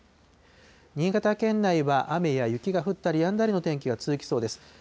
新潟県内は雨が降ったりやんだりの天気が続きそうです。